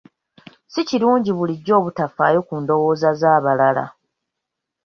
Si kirungi bulijjo obutafaayo ku ndowooza z'abalala.